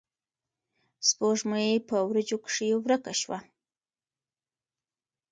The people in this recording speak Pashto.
سپوږمۍ پۀ وريځو کښې ورکه شوه